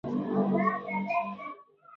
که باران ونه شي نو کروندې به وچې شي.